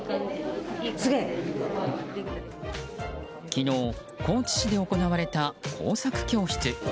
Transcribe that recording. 昨日、高知市で行われた工作教室。